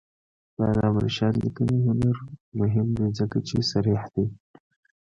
د علامه رشاد لیکنی هنر مهم دی ځکه چې صریح دی.